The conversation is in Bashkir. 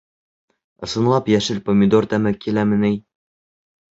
Ысынлап йәшел помидор тәме киләме ни?